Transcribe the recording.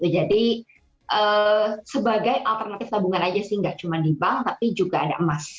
jadi sebagai alternatif tabungan saja tidak cuma di bank tapi juga ada emas